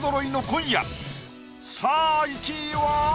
今夜さあ１位は？